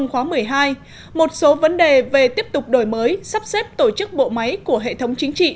khóa một mươi hai một số vấn đề về tiếp tục đổi mới sắp xếp tổ chức bộ máy của hệ thống chính trị